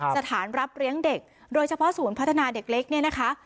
สถานรับเลี้ยงเด็กโดยเฉพาะศูนย์พัฒนาเด็กเล็กเนี่ยนะคะ